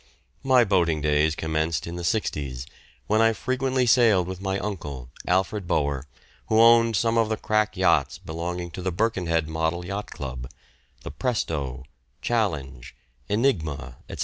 My boating days commenced in the 'sixties, when I frequently sailed with my uncle, Alfred Bower, who owned some of the crack yachts belonging to the Birkenhead Model Yacht Club the "Presto," "Challenge," "Enigma," etc.